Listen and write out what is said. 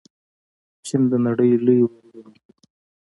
چین د نړۍ لوی واردونکی دی.